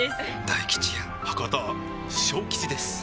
大吉や博多小吉ですあぁ！